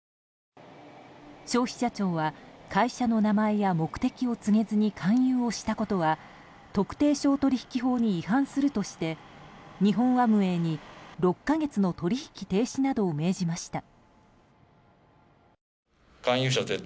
消費者庁は会社の名前や目的を告げずに勧誘をしたことは特定商取引法に違反するとして日本アムウェイに６か月の取引停止などを命じました。